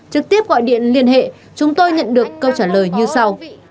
trực tiếp gọi điện liên hệ chúng tôi nhận được câu trả lời như sau